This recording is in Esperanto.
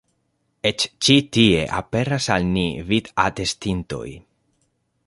Eĉ ĉi tie aperas al ni vid-atestintoj.